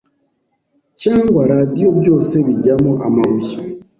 cyangwa radio, byose bijyamo amabuye,